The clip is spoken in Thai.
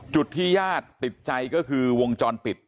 ที่ญาติติดใจก็คือวงจรปิด